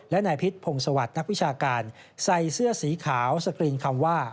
และนายพิษพงศวรรคนักวิชาการใส่เสื้อสีขาวสกรีนคำว่า